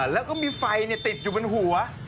แล้วก็มีไฟติดอยู่บนหัว